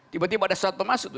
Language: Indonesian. tiba tiba ada sesuatu masuk